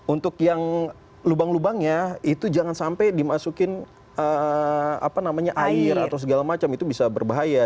untuk yang lubang lubangnya itu jangan sampai dimasukin air atau segala macam itu bisa berbahaya